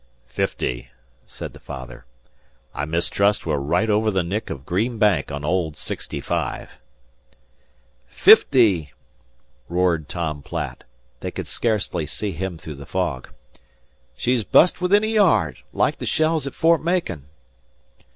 "Fifty," said the father. "I mistrust we're right over the nick o' Green Bank on old Sixty Fifty." "Fifty!" roared Tom Platt. They could scarcely see him through the fog. "She's bust within a yard like the shells at Fort Macon."